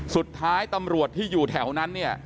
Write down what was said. สุดท้ายตำรวจที่อยู่แถวนั้นเนี่ย